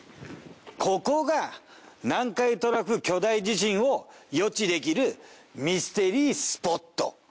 ここが南海トラフ巨大地震を予知できるミステリースポット。